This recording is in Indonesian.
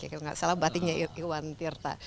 kalau nggak salah batiknya iwan tirta